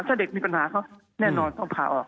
ถ้าเด็กมีปัญหาเขาแน่นอนต้องผ่าออก